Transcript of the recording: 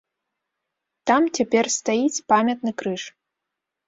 Там цяпер стаіць памятны крыж.